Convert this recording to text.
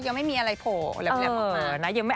ยังไม่มีอะไรโผล่แหลมออกมานะ